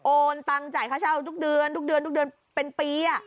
ตังค์จ่ายค่าเช่าทุกเดือนทุกเดือนทุกเดือนเป็นปี